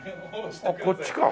あっこっちか。